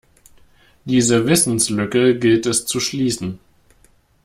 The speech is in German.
Diese Wissenslücke gilt es zu schließen.